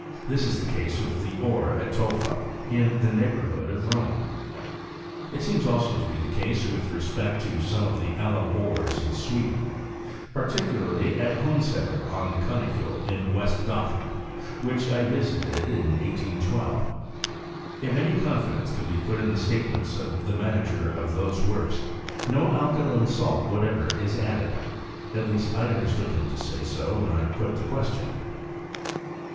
This is the case with the ore at Tolfa, in the neighbourhood of Rome. It seems, also, to be the case with respect to some of the alum ores in Sweden ; particularly at Hcensoeter on Kinnekulle, in West Gothland, which I visited in 1812. If any confidence can be put in the state ments of the manager of those works, no alkaline salt whatever is added ; at least, I understood hitn to say 90 when I put the question.